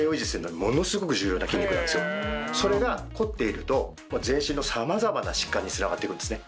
それが凝っていると全身の様々な疾患に繋がっていくんですね。